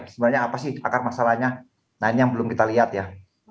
sebenarnya apa sih akar masalahnya nah ini yang belum kita lihat ya